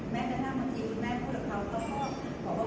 แม้แม่น่ามาจริงแม่พูดกับเขาต้องบอกว่า